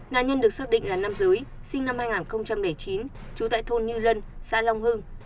nạn nhân được xác định là nam giới sinh năm hai nghìn chín trú tại thôn như lân xã long hưng